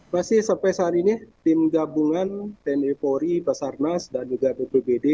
masih sampai saat ini tim gabungan tni polri basarnas dan juga bpbd